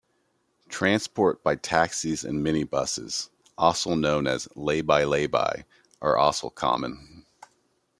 Transport by taxis and minibuses, known as "labi-labi", are also common.